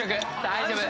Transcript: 大丈夫。